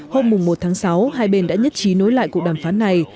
vào tháng sáu hai bên đã nhất trí nối lại cuộc đàm phán này